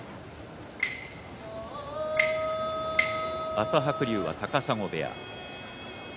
朝白龍は高砂部屋